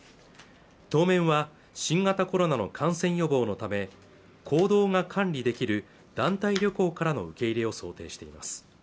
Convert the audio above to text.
当面は新型コロナの感染予防のため行動が管理できる団体旅行からの受け入れを想定しています